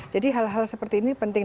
jadi hal hal seperti ini penting